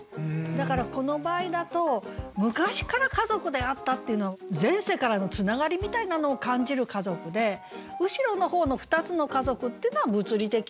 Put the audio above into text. だからこの場合だと「昔から家族であった」っていうの前世からのつながりみたいなのを感じる家族で後ろの方の「ふたつの家族」ってのは物理的な。